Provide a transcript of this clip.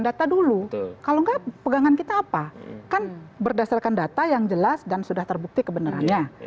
data dulu kalau enggak pegangan kita apa kan berdasarkan data yang jelas dan sudah terbukti kebenarannya